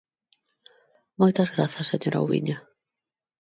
Moitas grazas, señora Ubiña.